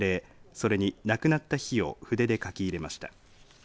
それに、亡くなった日を筆で書き入れました。